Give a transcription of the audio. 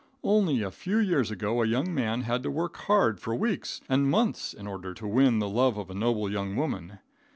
Only a few years ago, a young man had to work hard for weeks and months in order to win the love of a noble young woman.